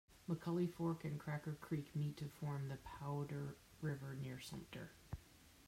McCully Fork and Cracker Creek meet to form the Powder River near Sumpter.